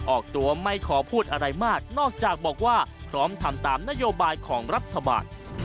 ออกตัวไม่ขอพูดอะไรมากนอกจากบอกว่าพร้อมทำตามนโยบายของรัฐบาล